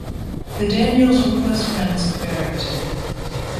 The Daniells were close friends of Farington.